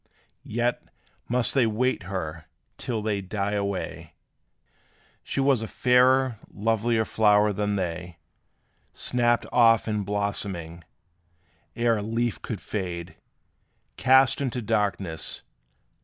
Yet, must they wait her, till they die away: She was a fairer, lovelier flower than they, Snapped off in blooming! ere a leaf could fade, Cast into darkness!